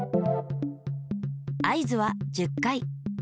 合図は１０回。